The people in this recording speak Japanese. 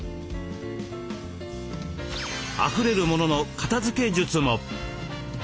あふれる物の片づけ術も。